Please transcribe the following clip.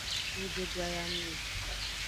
Nggbe doyanung o.